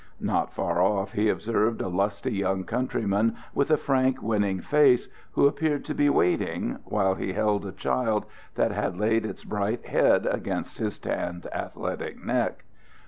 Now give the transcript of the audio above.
Not far off he observed a lusty young countryman, with a frank, winning face, who appeared to be waiting, while he held a child that had laid its bright head against his tanned, athletic neck.